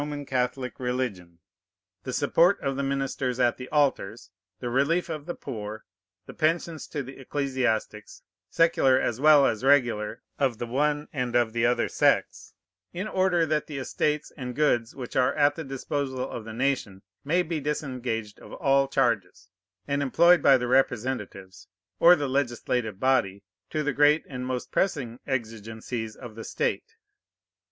C.A. religion, the support of the ministers at the altars, the relief of the poor, the pensions to the ecclesiastics, secular as well as regular, of the one and of the other sex, _in order that the estates and goods which are at the disposal of the nation may be disengaged of all charges, and employed by the representatives, or the legislative body, to the great and most pressing exigencies of the state."